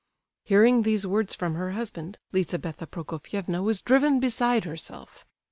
Hearing these words from her husband, Lizabetha Prokofievna was driven beside herself.